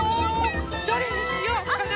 どれにしようかな？